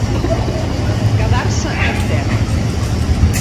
Quedar-se en terra.